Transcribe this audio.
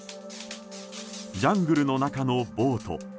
ジャングルの中のボート。